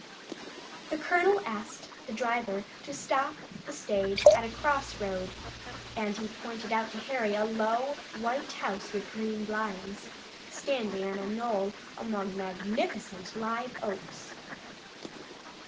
The colonel asked the driver to stop the stage at a cross road, and he pointed out to Harry a low, white house with green blinds, standing on a knoll among magnificent live oaks.